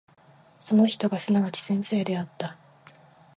その人がすなわち先生であった。